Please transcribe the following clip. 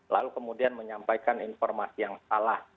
lalu kemudian menyampaikan informasi yang salah